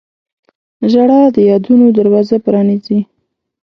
• ژړا د یادونو دروازه پرانیزي.